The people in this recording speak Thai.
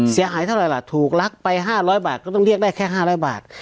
เสียหายเท่าไรล่ะถูกลักไปห้าร้อยบาทก็ต้องเรียกได้แค่ห้าร้อยบาท